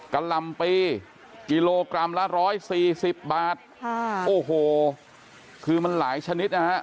กล่ำปีกิโลกรัมละร้อยสี่สิบบาทค่ะโอ้โหคือมันหลายชนิดนะฮะ